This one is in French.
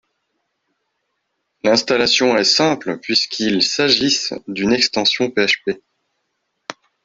L'installation est simple puisqu'il s'agisse d'une extension PHP